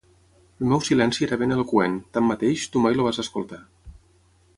El meu silenci era ben eloqüent, tanmateix, tu mai el vas escoltar.